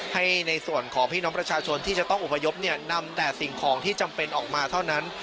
ให้ในส่วนของพี่น้องประชาชนที่จะต้องอบพยพนำแต่สิ่งของที่จำเป็นออกมาเท่านั้น